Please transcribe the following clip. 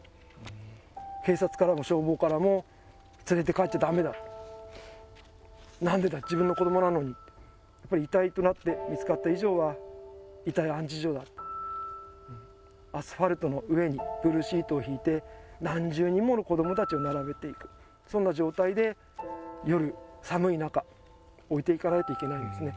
警察からも消防からも連れて帰っちゃダメだと何でだ自分の子供なのにやっぱり遺体となって見つかった以上は遺体安置所だとアスファルトの上にブルーシートを敷いて何十人もの子供達を並べていくそんな状態で夜寒い中置いていかないといけないんですね